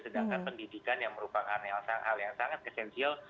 sedangkan pendidikan yang merupakan hal yang sangat esensial